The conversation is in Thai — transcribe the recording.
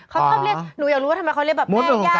เขาชอบเรียกหนูอยากรู้ว่าทำไมเขาเรียกแบบแม่ย่า